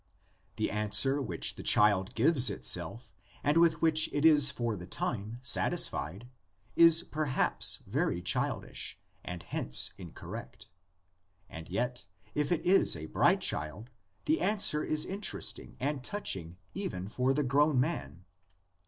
The answer which the child gives itself and with which it is for the time satis fied, is perhaps very childish, and hence incorrect, and yet, if it is a bright child the answer is interesting and touching even for the grown man.